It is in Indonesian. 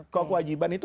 kalau kewajiban itu